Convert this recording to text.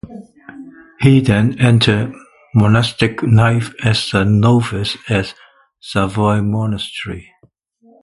He then entered monastic life as a novice at Sarov Monastery.